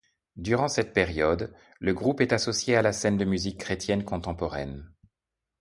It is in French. Durant cette période, le groupe est associé à la scène de musique chrétienne contemporaine.